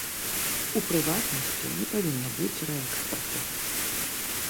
У прыватнасці, не павінна быць рээкспарту.